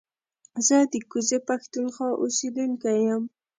زه د کوزې پښتونخوا اوسېدونکی يم